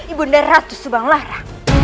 ibu nda ratu subang lara